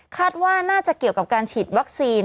คาดว่าน่าจะเกี่ยวกับการฉีดวัคซีน